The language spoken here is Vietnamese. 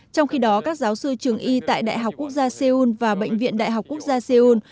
trong khi đó các giáo sư trường y tại đại học quốc gia seoul và bệnh viện đại học quốc gia seoul